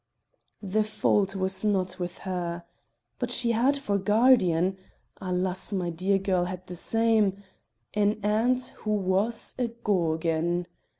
The fault was not with her. But she had for guardian (alas! my dear girl had the same) an aunt who was a gorgon.